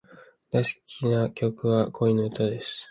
大好きな曲は、恋の歌です。